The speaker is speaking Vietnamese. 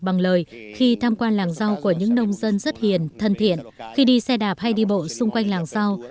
bằng lời khi tham quan làng rau của những nông dân rất hiền thân thiện khi đi xe đạp hay đi bộ xung quanh làng rau